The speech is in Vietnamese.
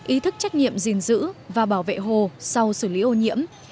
ý thức trách nhiệm gìn giữ và bảo vệ hồ sau xử lý ô nhiễm